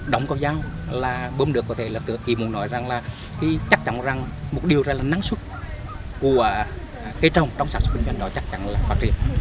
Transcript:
động công giao là bơm được có thể là tựa kỷ mục nội rằng là chắc chắn rằng một điều ra là năng suất của cây trồng trong sản xuất công doanh đó chắc chắn là phát triển